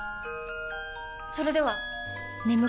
それでは！